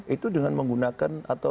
itu dengan menggunakan atau